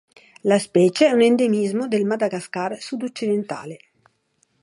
La specie è un endemismo del Madagascar sud-occidentale.